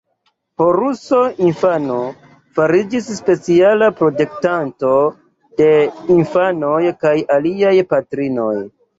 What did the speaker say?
Horuso infano fariĝis speciala protektanto de infanoj kaj iliaj patrinoj.